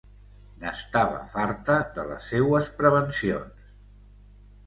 N'estava farta, de les seues prevencions.